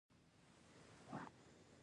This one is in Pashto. احمد چې خپله ومني بیا نه زور نه زارۍ مني.